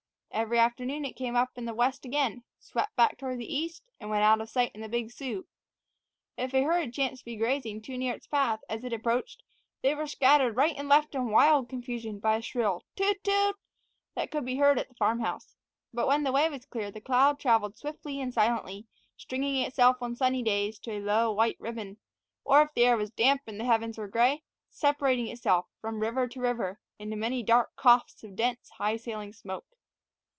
Every afternoon it came up in the west again, swept back toward the east, and went out of sight in the Big Sioux. If a herd chanced to be grazing too near its path as it approached, they were scattered right and left in wild confusion by a shrill toot! toot! that could be heard at the farm house. But when the way was clear the cloud traveled swiftly and silently, stringing itself, on sunny days, to a low white ribbon, or, if the air was damp and the heavens were gray, separating itself, from river to river, into many dark coughs of dense, high sailing smoke.